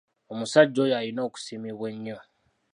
Omusajja oyo alina okusiimibwa ennyo.